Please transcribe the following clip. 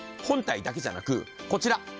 本体だけじゃなくこちら。